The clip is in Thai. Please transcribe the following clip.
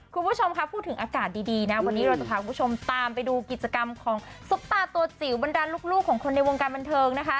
คุณผู้ชมค่ะพูดถึงอากาศดีนะวันนี้เราจะพาคุณผู้ชมตามไปดูกิจกรรมของซุปตาตัวจิ๋วบรรดาลูกของคนในวงการบันเทิงนะคะ